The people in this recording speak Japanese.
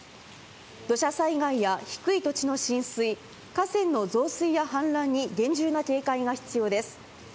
土砂災害や低い土地の浸水、河川の増水や氾濫に厳重な警戒が必要です。